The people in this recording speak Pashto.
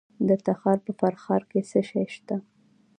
د تخار په فرخار کې څه شی شته؟